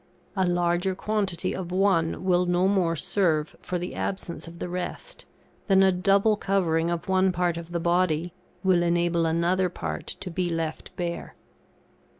A larger quantity of one will no more serve for the absence of the rest than a double covering of one part of the body, will enable another part to be left bare.